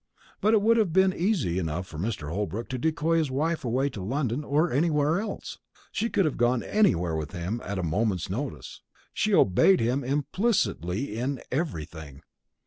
But it would have been easy enough for Mr. Holbrook to decoy his wife away to London or anywhere else. She would have gone anywhere with him, at a moment's notice. She obeyed him implicitly in everything."